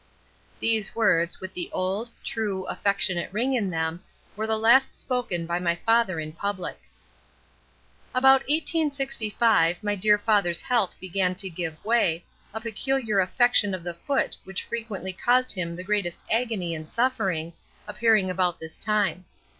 These words, with the old, true, affectionate ring in them, were the last spoken by my father in public. About 1865 my dear father's health began to give way, a peculiar affection of the foot which frequently caused him the greatest agony and suffering, appearing about this time.